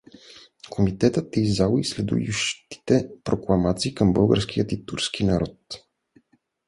Комитетът е издал и следующите прокламации към българския и турския народ.